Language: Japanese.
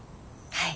はい。